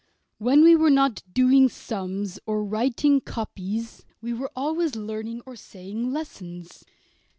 When we were not doing sums or writing copies, we were always learning or saying lessons.